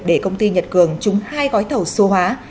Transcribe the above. để công ty nhật cường trúng hai gói thầu số hóa